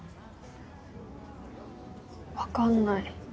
わかんない。